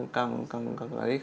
càng khó gặp bố mẹ